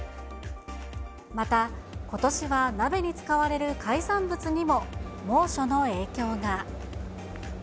また、ことしは鍋に使われる海産物にも猛暑の影響が。